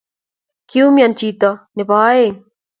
kiumina chito ne bo oeng